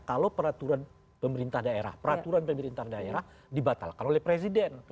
kalau peraturan pemerintah daerah dibatalkan oleh presiden